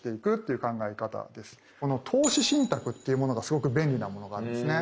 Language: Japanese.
この投資信託っていうものがすごく便利なものがあるんですね。